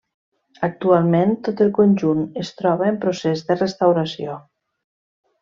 Actualment tot el conjunt es troba en procés de restauració.